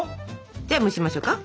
じゃあ蒸しましょうか。